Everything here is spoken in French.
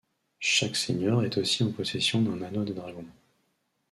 Chaque senior est aussi en possession d'un Anneau des Dragons.